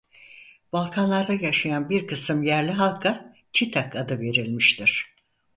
Balkanlarda yaşayan bir kısım yerli halka "Çitak" adı verilmiştir.